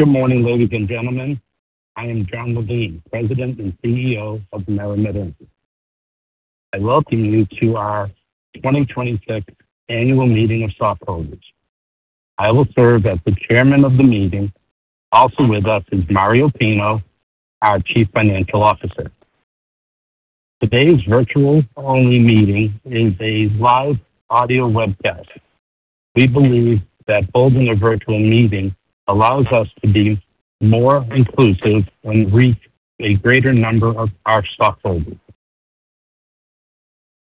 Good morning, ladies and gentlemen. I am Jon Levine, President and CEO of MariMed Inc. I welcome you to our 2026 annual meeting of stockholders. I will serve as the chairman of the meeting. Also with us is Mario Pinho, our Chief Financial Officer. Today's virtual-only meeting is a live audio webcast. We believe that holding a virtual meeting allows us to be more inclusive and reach a greater number of our stockholders.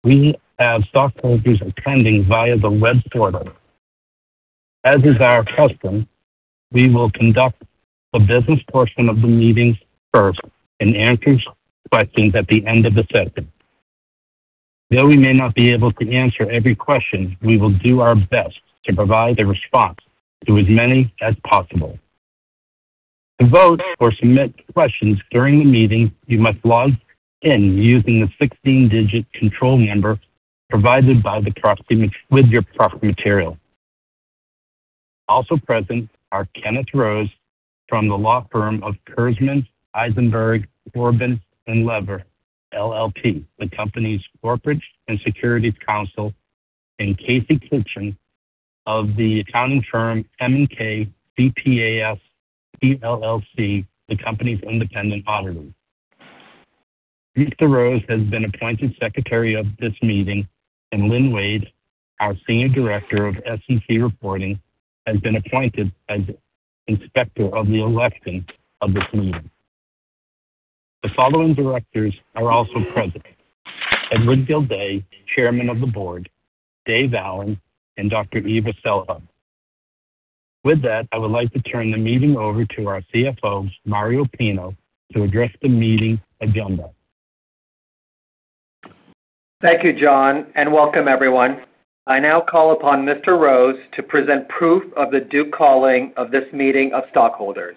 We have stockholders attending via the web portal. As is our custom, we will conduct the business portion of the meeting first and answer questions at the end of the session. Though we may not be able to answer every question, we will do our best to provide a response to as many as possible. To vote or submit questions during the meeting, you must log in using the 16-digit control number provided with your proxy material. Also present are Kenneth Rose from the law firm of Kurzman Eisenberg Corbin & Lever, LLP, the company's corporate and securities counsel, and Casey Kinchen of the accounting firm M&K CPAs, PLLC, the company's independent auditor. Mr. Rose has been appointed secretary of this meeting, and Lynn Wade, our senior director of SEC reporting, has been appointed as inspector of the election of this meeting. The following directors are also present: Edward Gildea, Chairman of the Board, Dave Allen, and Dr. Eva Selhub. With that, I would like to turn the meeting over to our CFO, Mario Pinho, to address the meeting agenda. Thank you, Jon, and welcome everyone. I now call upon Mr. Rose to present proof of the due calling of this meeting of stockholders.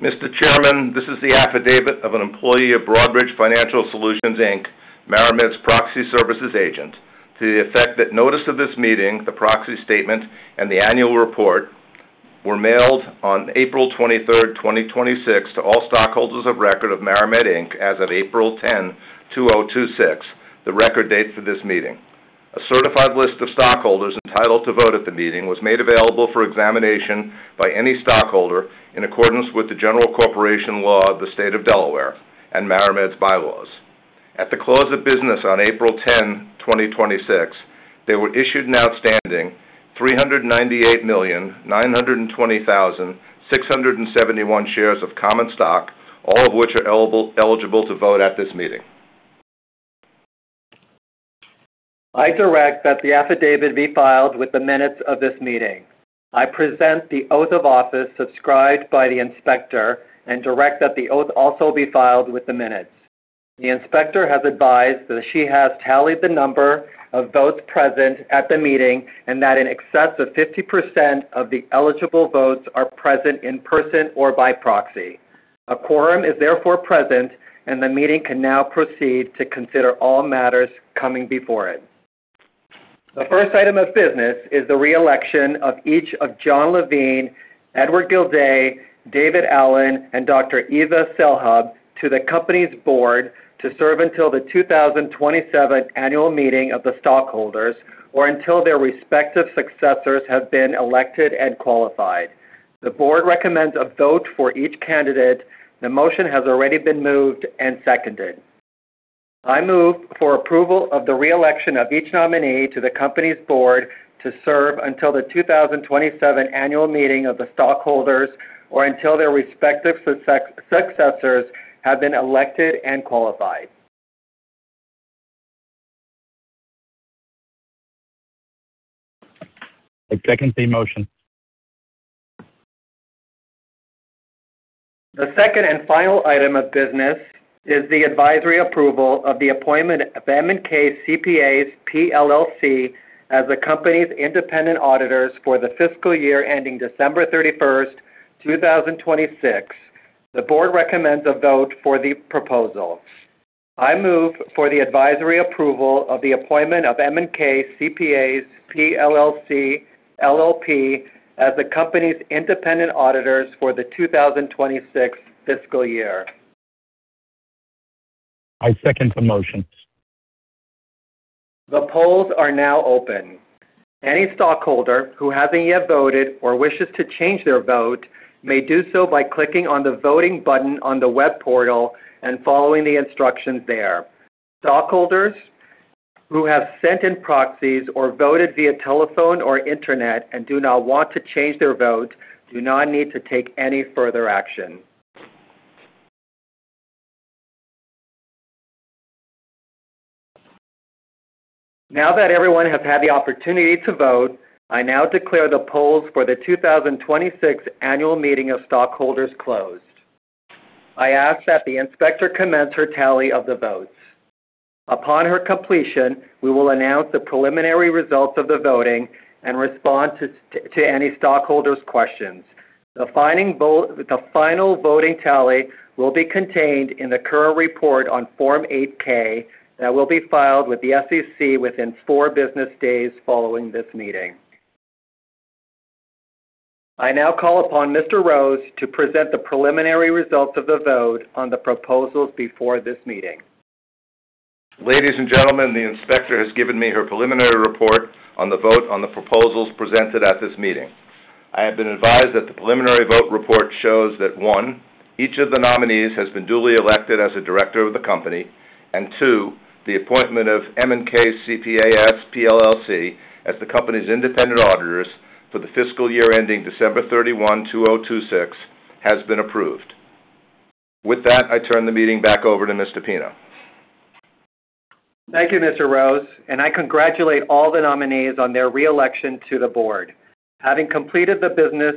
Mr. Chairman, this is the affidavit of an employee of Broadridge Financial Solutions, Inc, MariMed's proxy services agent, to the effect that notice of this meeting, the proxy statement, and the annual report were mailed on April 23rd, 2026, to all stockholders of record of MariMed Inc as of April 10, 2026, the record date for this meeting. A certified list of stockholders entitled to vote at the meeting was made available for examination by any stockholder in accordance with the general corporation law of the State of Delaware and MariMed's bylaws. At the close of business on April 10, 2026, there were issued and outstanding 398,920,671 shares of common stock, all of which are eligible to vote at this meeting. I direct that the affidavit be filed with the minutes of this meeting. I present the oath of office subscribed by the inspector and direct that the oath also be filed with the minutes. The inspector has advised that she has tallied the number of votes present at the meeting and that in excess of 50% of the eligible votes are present in person or by proxy. A quorum is therefore present, and the meeting can now proceed to consider all matters coming before it. The first item of business is the re-election of each of Jon Levine, Edward Gildea, David Allen, and Dr. Eva Selhub to the company's board to serve until the 2027 annual meeting of the stockholders or until their respective successors have been elected and qualified. The board recommends a vote for each candidate. The motion has already been moved and seconded. I move for approval of the re-election of each nominee to the Company's Board to serve until the 2027 annual meeting of the stockholders or until their respective successors have been elected and qualified. I second the motion. The second and final item of business is the advisory approval of the appointment of M&K CPAs, PLLC, as the company's independent auditors for the fiscal year ending December 31st, 2026. The board recommends a vote for the proposal. I move for the advisory approval of the appointment of M&K CPAs, PLLC as the company's independent auditors for the 2026 fiscal year. I second the motion. The polls are now open. Any stockholder who hasn't yet voted or wishes to change their vote may do so by clicking on the voting button on the web portal and following the instructions there. Stockholders who have sent in proxies or voted via telephone or internet and do not want to change their vote do not need to take any further action. Now that everyone has had the opportunity to vote, I now declare the polls for the 2026 annual meeting of stockholders closed. I ask that the inspector commence her tally of the votes. Upon her completion, we will announce the preliminary results of the voting and respond to any stockholders' questions. The final voting tally will be contained in the current report on Form 8-K that will be filed with the SEC within four business days following this meeting. I now call upon Mr. Rose to present the preliminary results of the vote on the proposals before this meeting. Ladies and gentlemen, the inspector has given me her preliminary report on the vote on the proposals presented at this meeting. I have been advised that the preliminary vote report shows that, one, each of the nominees has been duly elected as a director of the company, and two, the appointment of M&K CPAs, PLLC, as the company's independent auditors for the fiscal year ending December 31, 2026, has been approved. With that, I turn the meeting back over to Mr. Pinho. Thank you, Mr. Rose. I congratulate all the nominees on their re-election to the board. Having completed the business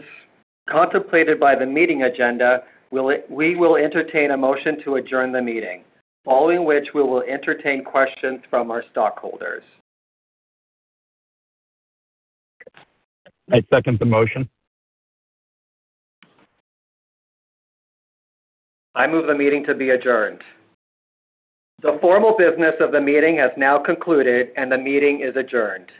contemplated by the meeting agenda, we will entertain a motion to adjourn the meeting, following which we will entertain questions from our stockholders. I second the motion. I move the meeting to be adjourned. The formal business of the meeting has now concluded, and the meeting is adjourned.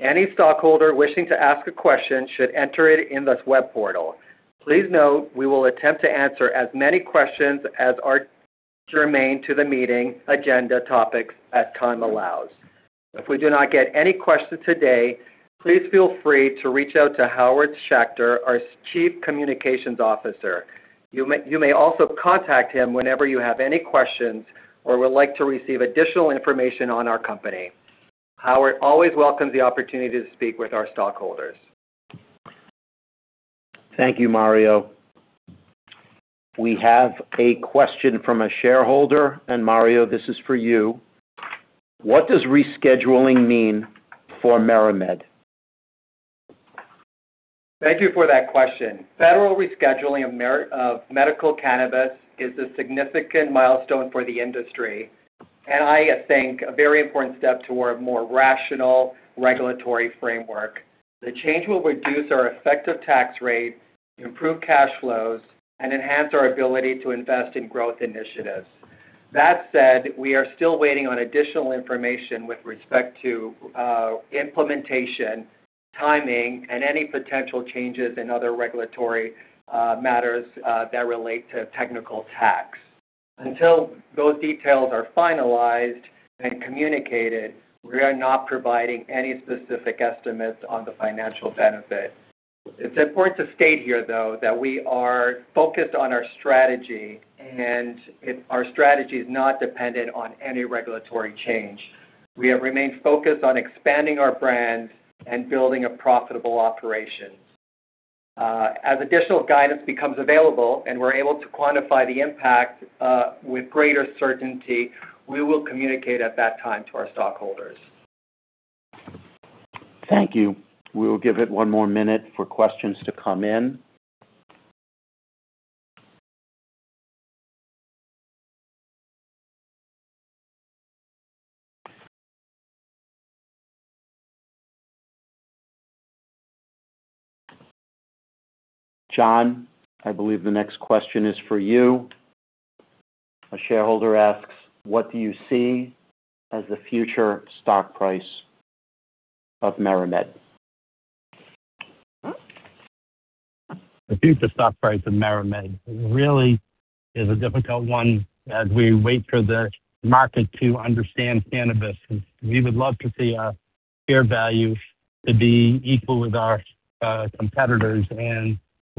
Any stockholder wishing to ask a question should enter it in this web portal. Please note we will attempt to answer as many questions as are germane to the meeting agenda topics as time allows. If we do not get any questions today, please feel free to reach out to Howard Schacter, our Chief Communications Officer. You may also contact him whenever you have any questions or would like to receive additional information on our company. Howard always welcomes the opportunity to speak with our stockholders. Thank you, Mario. We have a question from a shareholder, and Mario, this is for you. What does rescheduling mean for MariMed? Thank you for that question. Federal rescheduling of medical cannabis is a significant milestone for the industry, and I think a very important step toward a more rational regulatory framework. The change will reduce our effective tax rate, improve cash flows, and enhance our ability to invest in growth initiatives. That said, we are still waiting on additional information with respect to implementation, timing, and any potential changes in other regulatory matters that relate to technical tax. Until those details are finalized and communicated, we are not providing any specific estimates on the financial benefit. It's important to state here, though, that we are focused on our strategy, and our strategy is not dependent on any regulatory change. We have remained focused on expanding our brand and building a profitable operation. As additional guidance becomes available and we're able to quantify the impact with greater certainty, we will communicate at that time to our stockholders. Thank you. We will give it one more minute for questions to come in. Jon, I believe the next question is for you. A shareholder asks, "What do you see as the future stock price of MariMed? The future stock price of MariMed really is a difficult one as we wait for the market to understand cannabis.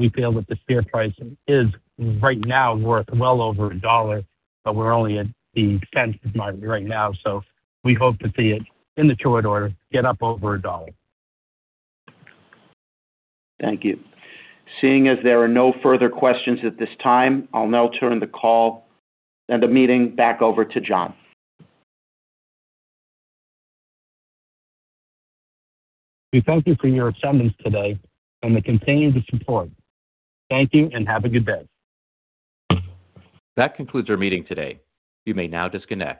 We would love to see our share value to be equal with our competitors, and we feel that the share price is right now worth well over $1, but we're only at the cents mark right now. We hope to see it, in the short order, get up over $1. Thank you. Seeing as there are no further questions at this time, I'll now turn the call and the meeting back over to Jon. We thank you for your attendance today and the continued support. Thank you, and have a good day. That concludes our meeting today. You may now disconnect.